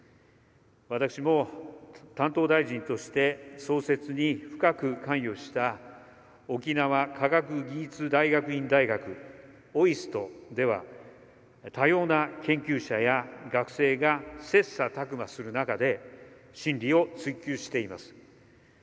私も担当大臣として創設に深く関与した沖縄科学技術大学院大学＝ＯＩＳＴでは多様な研究者や学生が切磋琢磨する中で真理を追求しています。